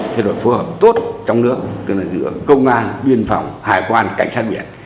thế đội phối hợp tốt trong nước tức là giữa công an biên phòng hải quan cảnh sát biển